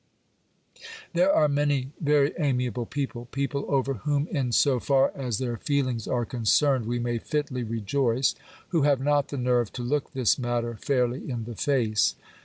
There are many very amiable people— people over whom in so far as theSr feelings are concerned we may fitly rejoice — who have not the nerve to look this matter fairly in the face.